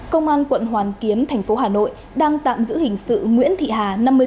công an quận hoàn kiếm thành phố hà nội đang tạm giữ hình sự nguyễn thị hà năm mươi tuổi